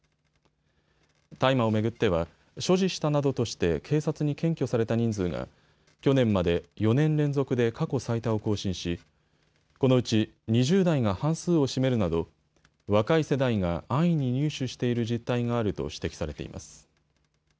大麻を巡っては所持したなどとして警察に検挙された人数が去年まで４年連続で過去最多を更新し、このうち２０代が半数を占めるなど若い世代が安易に入手している実態があると指摘されています。